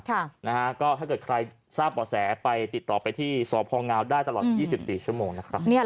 ถ้าเกิดใครทราบบ่อแสไปติดต่อไปที่สพงได้ตลอด๒๔ชั่วโมงนะครับ